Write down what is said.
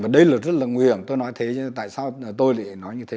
đây là rất là nguy hiểm tôi nói thế nhưng tại sao tôi lại nói như thế